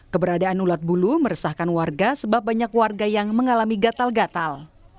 keberadaan ulat bulu meresahkan warga sebab banyak warga yang mengalami gatal gatal